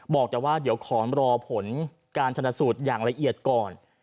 บอกแต่ว่าเดี๋ยวขอรอผลการชนสูตรอย่างละเอียดก่อน